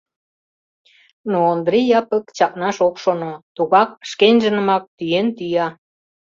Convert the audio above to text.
Но Ондри Япык чакнаш ок шоно, тугак шкенжынымак тӱен-тӱя: